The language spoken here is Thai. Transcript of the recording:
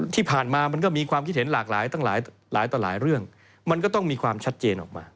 ที่ผ่านมามันก็มีความคิดเห็นหลากหลายตั้งหลายต่อหลายเรื่องมันก็ต้องมีความชัดเจนออกมา